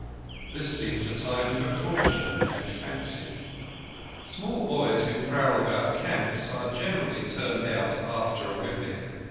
This seemed a time for caution and fancy. Small boys who prowl about camps are generally turned out after a whipping.